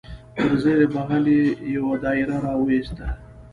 تر زیر بغل یې یو دایره را وایسته.